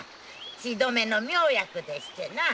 血止めの妙薬でしてな。